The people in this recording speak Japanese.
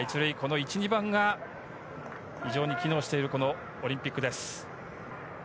１・２番が非常に機能しているオリンピックです。